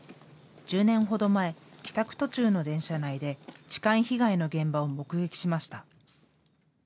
１０年ほど前、帰宅途中の電車内で痴漢被害の現場を目撃しました。